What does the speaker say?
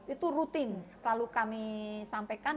itu rutin selalu kami sampaikan